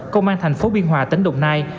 công an thành phố biên hòa tỉnh đồng nai